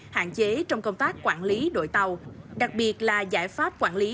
hạn chế trong công tác quản lý đội tàu đặc biệt là giải pháp quản lý